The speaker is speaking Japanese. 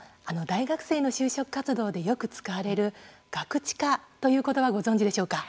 大学生の就職活動でよく使われる「ガクチカ」という言葉をご存じですか？